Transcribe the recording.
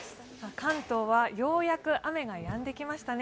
関東はようやく雨がやんできましたね。